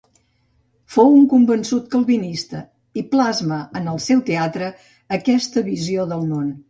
Fou un convençut calvinista i plasma en el seu teatre aquesta visió del món.